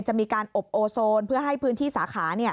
จะมีการอบโอโซนเพื่อให้พื้นที่สาขา